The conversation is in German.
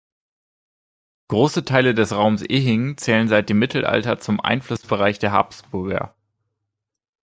Große Teile des Raums Ehingen zählten seit dem Mittelalter zum Einflussbereich der Habsburger.